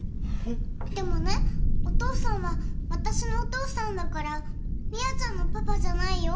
でもねお父さんはわたしのお父さんだから美也ちゃんのパパじゃないよ。